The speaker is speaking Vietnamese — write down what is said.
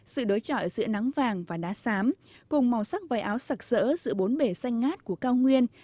sự đối chọi giữa nắng vàng và đá sám cùng màu sắc vầy áo sặc sỡ giữa bốn bể xanh ngát của cao nguyên